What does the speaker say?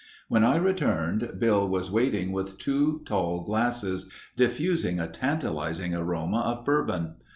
When I returned Bill was waiting with two tall glasses, diffusing a tantalizing aroma of bourbon.